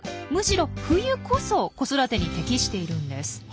むしろ冬こそ子育てに適しているんです。